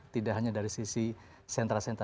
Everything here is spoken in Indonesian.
tidak hanya dari sisi sentra sentra